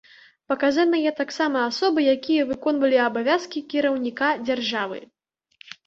Паказаныя таксама асобы, якія выконвалі абавязкі кіраўніка дзяржавы.